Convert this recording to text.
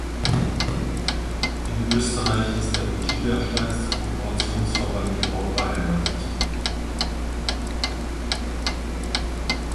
In Österreich ist der mitgliederstärkste Korporationsverband überhaupt beheimatet.